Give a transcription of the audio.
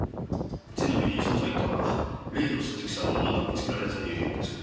ちなみに捜査一課は例の鈴木さんをまだ見つけられずにいるようです。